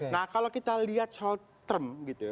nah kalau kita lihat short term gitu ya